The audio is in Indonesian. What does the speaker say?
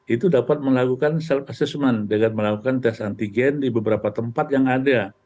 itu dapat melakukan self assessment dengan melakukan tes antigen di beberapa tempat yang ada